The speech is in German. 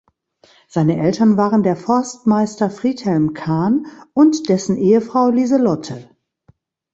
Seine Eltern waren der Forstmeister Friedhelm Kahn und dessen Ehefrau Liselotte.